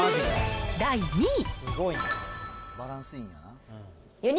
第２位。